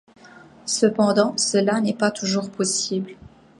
Cependant, cela n'est pas toujours possible.